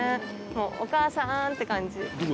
もうお母さんって感じ。